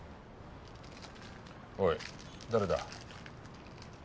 おい誰だ？